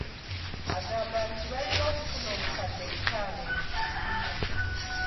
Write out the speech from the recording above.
Agamba nti baalina okufuna obukadde butaano buli kibiina